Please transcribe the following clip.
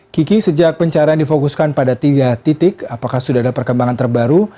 kiki sejak pencarian difokuskan pada tiga titik apakah sudah ada perkembangan terbaru